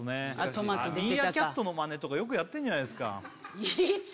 トマト出てたかミーアキャットのまねとかよくやってんじゃないですかいつ？